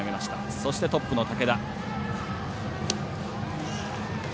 そして、トップの武田。